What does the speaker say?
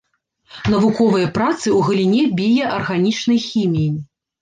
Навуковыя працы ў галіне біяарганічнай хіміі.